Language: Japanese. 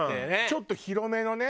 ちょっと広めのね